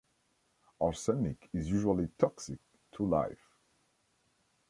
Arsenic is usually toxic to life.